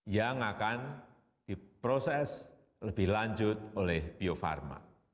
yang akan diproses lebih lanjut oleh bio farma